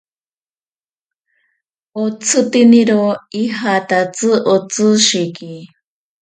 Otsitiniro ijatatsi otsishiki.